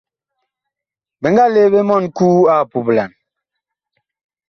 Bi nga lee ɓe mɔɔn Kuu ag puplan.